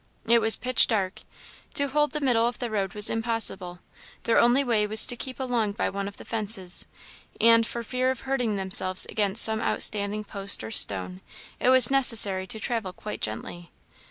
It was pitch dark; to hold the middle of the road was impossible; their only way was to keep along by one of the fences; and, for fear of hurting themselves against some outstanding post or stone, it was necessary to travel quite gently.